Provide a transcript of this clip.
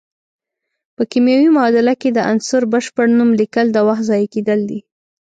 په کیمیاوي معادله کې د عنصر بشپړ نوم لیکل د وخت ضایع کیدل دي.